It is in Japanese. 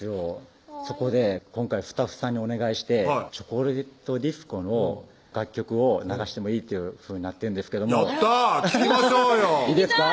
そこで今回スタッフさんにお願いしてチョコレイト・ディスコの楽曲を流してもいいっていうふうになってるんですけどもやった聴きましょうよいいですか？